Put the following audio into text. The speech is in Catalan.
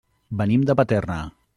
Venim de Paterna.